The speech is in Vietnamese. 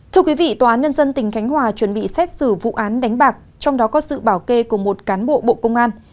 thưa quý vị tòa án nhân dân tỉnh khánh hòa chuẩn bị xét xử vụ án đánh bạc trong đó có sự bảo kê của một cán bộ bộ công an